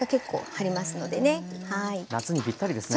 へえ夏にぴったりですね。